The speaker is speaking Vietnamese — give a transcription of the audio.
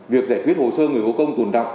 việc giải quyết hồ sơ người có công tùn đọc